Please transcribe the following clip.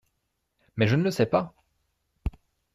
Mais je ne le sais pas !